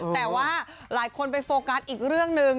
แต่ว่าหลายคนไปโฟกัสอีกเรื่องหนึ่ง